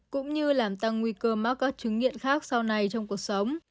cũng như làm tăng nguy cơ mắc các chứng nghiện khác sau này trong cuộc sống